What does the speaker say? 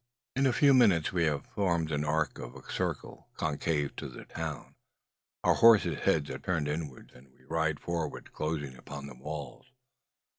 In a few minutes we have formed the arc of a circle, concave to the town. Our horses' heads are turned inwards, and we ride forward, closing upon the walls.